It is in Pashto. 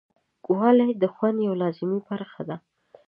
خوږوالی د خوند یوه لازمي برخه ده.